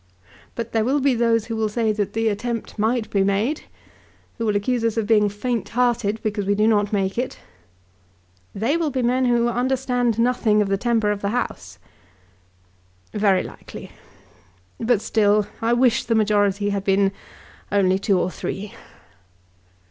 But there will be those who will say that the attempt might be made, who will accuse us of being faint hearted because we do not make it." "They will be men who understand nothing of the temper of the House." "Very likely. But still, I wish the majority had only been two or three.